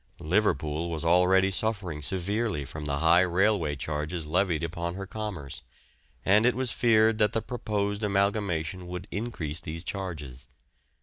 Liverpool was already suffering severely from the high railway charges levied upon her commerce, and it was feared that the proposed amalgamation would increase these charges.